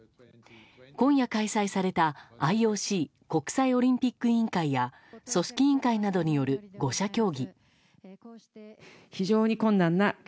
今夜開催された、ＩＯＣ・国際オリンピック委員会や組織委員会などによる５者協議。